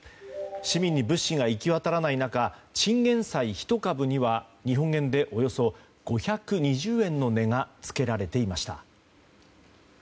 市民に物資が行き渡らない中チンゲン菜１株には日本円でおよそ５２０円の値がつけられていました。